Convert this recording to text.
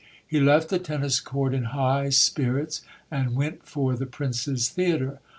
He left the tennis court in high spirits, and went for the Princes Theatre.